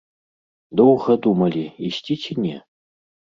Доўга думалі, ісці ці не.